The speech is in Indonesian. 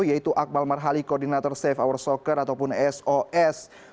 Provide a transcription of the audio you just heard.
yaitu akmal marhali koordinator safe hour soccer ataupun sos